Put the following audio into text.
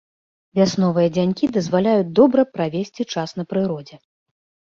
Вясновыя дзянькі дазваляюць добра правесці час на прыродзе.